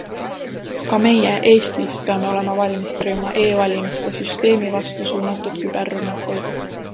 Ka meie, Eestis, peame olema valmis tõrjuma e-valimiste süsteemi vastu suunatud küberrünnakuid.